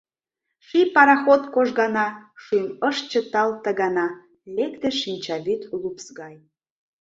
Ший пароход кожгана, Шӱм ыш чытал ты гана: Лекте шинчавӱд лупс гай.